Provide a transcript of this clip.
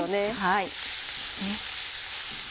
はい。